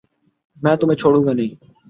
میں تمہیں چھوڑوں گانہیں